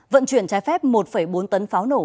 vận chuyển trái phép một bốn tấn pháo nổ